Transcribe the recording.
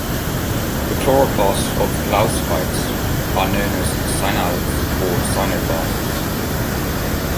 The chloroplasts of glaucophytes are known as 'cyanelles' or 'cyanoplasts'.